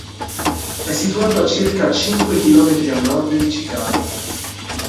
È situato a circa cinque chilometri a nord di Chicago.